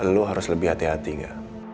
lo harus lebih hati hati enggak